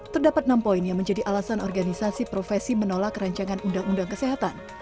terdapat enam poin yang menjadi alasan organisasi profesi menolak rancangan undang undang kesehatan